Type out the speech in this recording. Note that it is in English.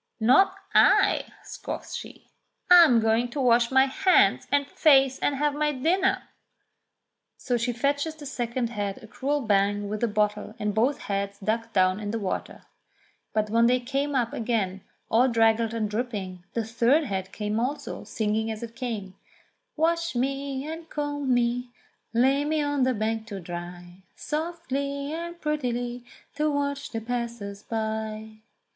"Not I," scoffs she. "I'm going to wash my hands and face and have my dinner." So she fetches the second head THE THREE HEADS OF THE WELL 229 a cruel bang with the bottle and both heads ducked down in the water. But when they came up again all draggled and dripping, the third head came also, singing as it came : "Wash me, and comb me, lay me on the bank to dry Softly and prettily to watch the passers by."